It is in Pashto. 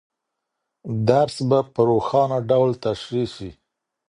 درس به په روښانه ډول تشریح سي.